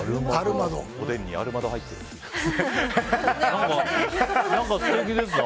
おでんにアルマド入ってるんですね。